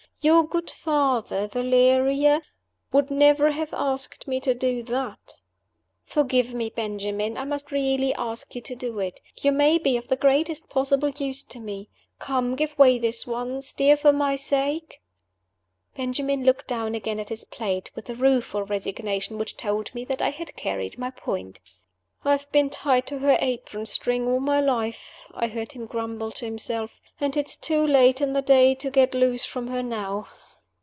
Your good father, Valeria, would never have asked me to do that." "Forgive me, Benjamin; I must really ask you to do it. You may be of the greatest possible use to me. Come, give way this once, dear, for my sake." Benjamin looked down again at his plate, with a rueful resignation which told me that I had carried my point. "I have been tied to her apron string all my life," I heard him grumble to himself; "and it's too late in the day to get loose from her how."